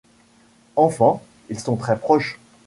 Enfants, ils sont très proches.